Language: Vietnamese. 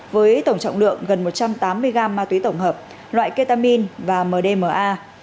với tổng trọng lượng gần một trăm tám mươi gram ma túy tổng hợp loại ketamin và mdma